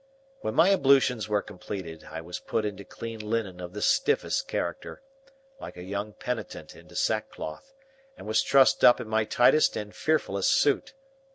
When my ablutions were completed, I was put into clean linen of the stiffest character, like a young penitent into sackcloth, and was trussed up in my tightest and fearfullest suit.